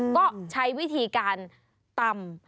ก็ใช้วิธีการตำ